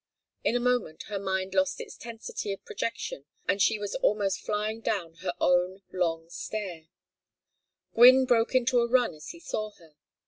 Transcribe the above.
In a moment her mind lost its tensity of projection and she was almost flying down her own long stair. Gwynne broke into a run as he saw her.